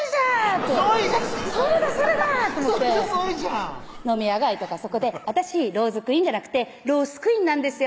ってそれだそれだと思って飲み屋街とかそこで「私ローズクイーンじゃなくてロースクイーンなんですよね」